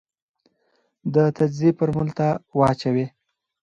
د تجزیې فورمول ته واچوې ،